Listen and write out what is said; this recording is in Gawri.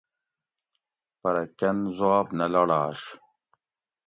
پرہ کۤن زُواب نہ لاڑاش